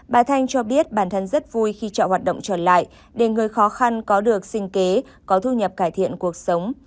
bà thanh cho biết bản thân rất vui khi trọ hoạt động trở lại để người khó khăn có được sinh kế có thu nhập cải thiện cuộc sống